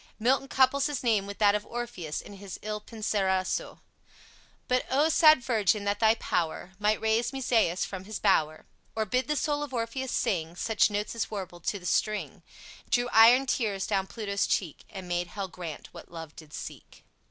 Milton couples his name with that of Orpheus in his "Il Penseroso": "But O, sad virgin, that thy power Might raise Musaeus from his bower, Or bid the soul of Orpheus sing Such notes as warbled to the string, Drew iron tears down Pluto's cheek, And made Hell grant what love did seek."